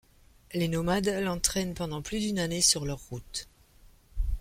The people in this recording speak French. Les nomades l'entraînent pendant plus d'une année sur leurs routes.